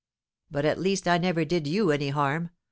"But, at least, I never did you any harm.